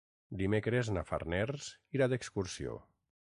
Dimecres na Farners irà d'excursió.